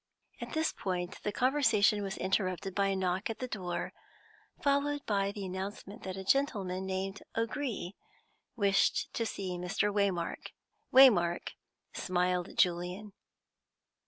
At this point the conversation was interrupted by a knock at the door, followed by the announcement that a gentleman named O'Gree wished to see Mr. Waymark. Waymark smiled at Julian.